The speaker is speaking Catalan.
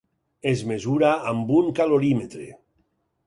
Es mesura amb un calorímetre.